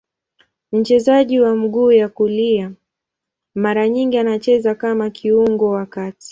Mchezaji wa mguu ya kulia, mara nyingi anacheza kama kiungo wa kati.